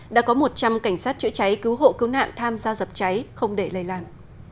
đã có một trăm linh cảnh sát chữa cháy cứu hộ cứu nạn tham gia dập cháy không để lây lan